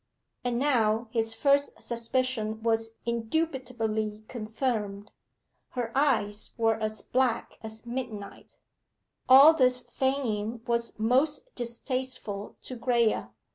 And now his first suspicion was indubitably confirmed. Her eyes were as black as midnight. All this feigning was most distasteful to Graye.